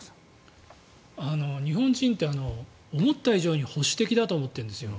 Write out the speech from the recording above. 日本人って思った以上に保守的だと思っているんですよ。